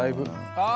ああ。